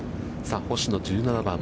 星野、１７番。